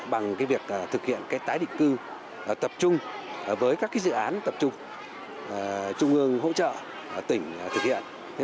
bằng việc thực hiện tái định cư tập trung với các dự án tập trung trung ương hỗ trợ tỉnh thực hiện